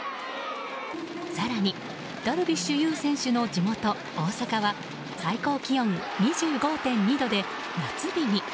更に、ダルビッシュ有選手の地元・大阪は最高気温２５．２度で夏日に。